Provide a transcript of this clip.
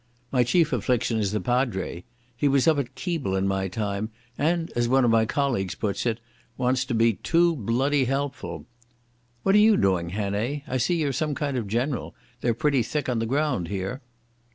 My chief affliction is the padre. He was up at Keble in my time, and, as one of my colleagues puts it, wants to be 'too bloody helpful'.... What are you doing, Hannay? I see you're some kind of general. They're pretty thick on the ground here."